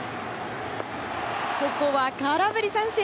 ここは空振り三振。